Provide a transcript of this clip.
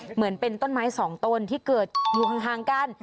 เหมือนเป็นต้นไม้สองต้นที่เกิดอยู่ห่างกัน